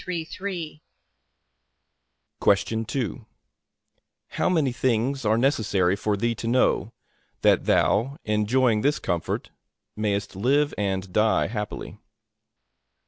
A.